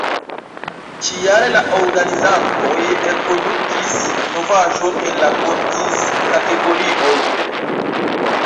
Ĉi-jare la organizantoj enkondukis novaĵon en la kotiz-kategorioj.